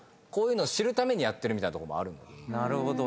こういうのを知るためにやってるみたいなとこもあるので。